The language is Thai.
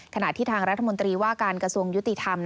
ขณะที่ทางรัฐมนตรีว่าการกระทรวงยุติธรรม